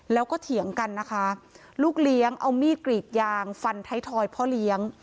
แล้วก็เถียงกันนะคะลูกเลี้ยงเอามีดกรีดยางฟันไทยทอยพ่อเลี้ยง